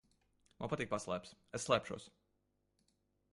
Man patīk paslēpes. Es slēpšos.